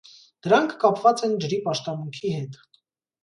Դրանք կապված են ջրի պաշտամունքի հետ։